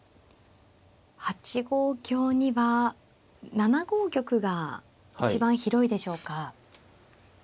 ８五香には７五玉が一番広いでしょうか。